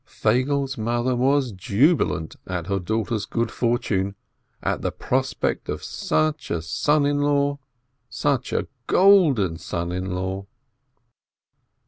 Feigele's mother was jubilant at her daugh ter's good fortune, at the prospect of such a son in law, such a golden son in law